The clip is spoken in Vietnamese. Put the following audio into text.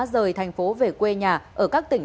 đưa thành phố về quê nhà ở các tỉnh